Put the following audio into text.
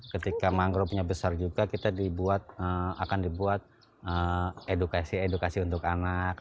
ketika mangrovenya besar juga kita dibuat akan dibuat edukasi edukasi untuk anak